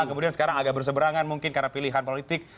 kemudian sekarang agak berseberangan mungkin karena pilihan politik